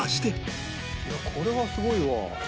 これはすごいわ。